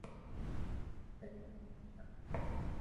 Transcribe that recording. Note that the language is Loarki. ايني ايني آوا دي